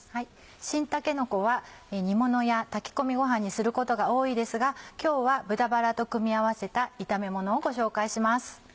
新たけのこは煮ものや炊き込みご飯にすることが多いですが今日は豚バラと組み合わせた炒めものをご紹介します。